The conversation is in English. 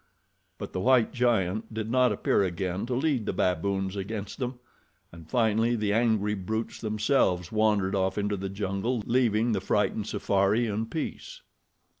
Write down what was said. But the white giant did not appear again to lead the baboons against them, and finally the angry brutes themselves wandered off into the jungle leaving the frightened safari in peace.